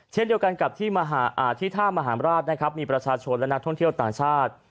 เช่นเดียวกันกับที่ท่ามหารราชนะครับมีประชาชนและนักท่องเที่ยวต่างชาติ